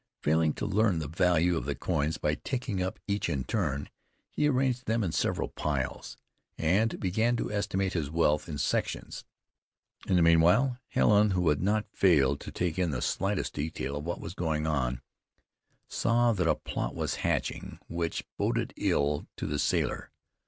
Failing to learn the value of the coins by taking up each in turn, he arranged them in several piles, and began to estimate his wealth in sections. In the meanwhile Helen, who had not failed to take in the slightest detail of what was going on, saw that a plot was hatching which boded ill to the sailor.